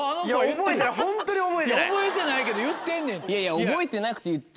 覚えてないけど言ってんねん。